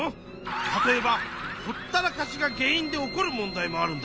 例えばほったらかしが原因で起こる問題もあるんだ。